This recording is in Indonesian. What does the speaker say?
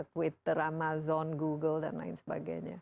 twitter amazon google dan lain sebagainya